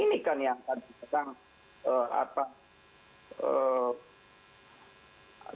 ini kan yang tadi